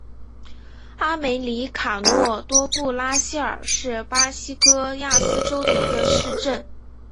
阿梅里卡诺多布拉西尔是巴西戈亚斯州的一个市镇。